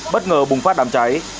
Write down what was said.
bất ngờ bùng phát đám cháy